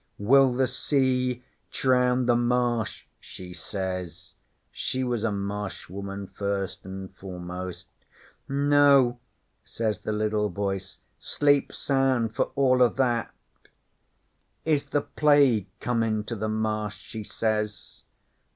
'"Will the sea drown the Marsh?" she says. She was a Marsh woman first an' foremost. '"No," says the liddle voice. "Sleep sound for all o' that." '"Is the Plague comin' to the Marsh?" she says.